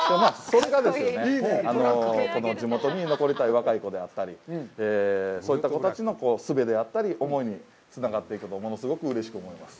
それがこの地元に残りたい若い子であったり、そういった子たちのすべであったり、思いにつながっていけば物すごくうれしく思います。